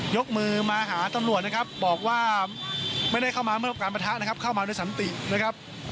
ยกมือมาหาตำรวจนะครับบอกว่าไม่ได้เข้ามาเมื่อการประทะนะครับเข้ามาด้วยสันตินะครับ